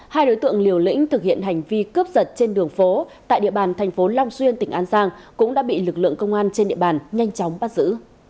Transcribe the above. hai đối tượng liều lĩnh thực hiện hành vi cướp giật trên đường phố tại địa bàn thành phố long xuyên tỉnh an giang cũng đã bị lực lượng công an trên địa bàn nhanh chóng bắt giữ